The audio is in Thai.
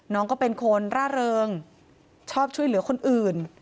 น้องก็เป็นคนร่าเริงชอบช่วยเหลือคนอื่น